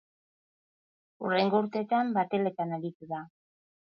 Hurrengo urteetan bateletan aritu da.